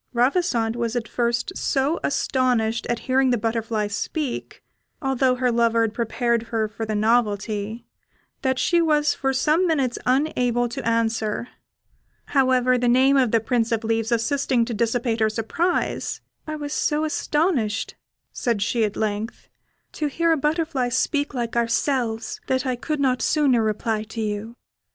Ravissante was at first so astonished at hearing the butterfly speak, although her lover had prepared her for the novelty, that she was for some minutes unable to answer; however, the name of the Prince of Leaves assisting to dissipate her surprise, "I was so astonished," said she at length, "to hear a butterfly speak like ourselves, that I could not sooner reply to you.